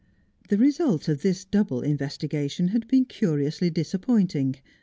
The result of this double investigation had been curiously disappointing.